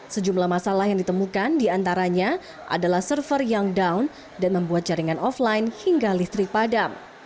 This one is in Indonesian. sejumlah masalah yang ditemukan diantaranya adalah server yang down dan membuat jaringan offline hingga listrik padam